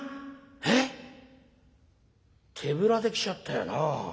えっ？手ぶらで来ちゃったよな。